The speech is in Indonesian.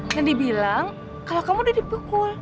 dan dibilang kalau kamu udah dipukul